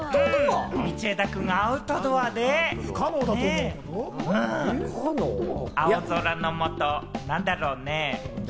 道枝君がアウトドアで、青空のもと、なんだろうね？